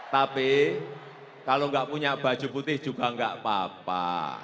tapi kalau nggak punya baju putih juga nggak apa apa